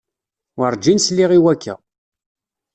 Werǧin sliɣ i wakka.